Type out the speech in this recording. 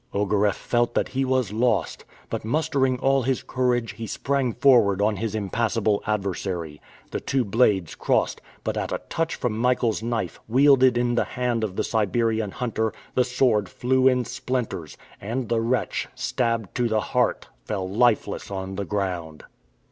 Ogareff felt that he was lost. But mustering all his courage, he sprang forward on his impassible adversary. The two blades crossed, but at a touch from Michael's knife, wielded in the hand of the Siberian hunter, the sword flew in splinters, and the wretch, stabbed to the heart, fell lifeless on the ground.